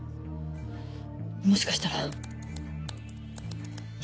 もしかしたら！